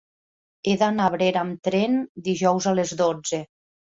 He d'anar a Abrera amb tren dijous a les dotze.